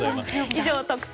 以上、特選！！